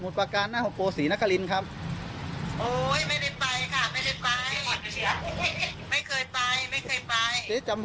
ไม่ค่อยเจอทรงหมู่สวัสดีสงสัย